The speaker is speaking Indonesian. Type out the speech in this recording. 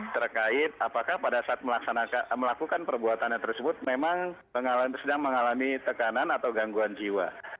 terkait apakah pada saat melakukan perbuatannya tersebut memang sedang mengalami tekanan atau gangguan jiwa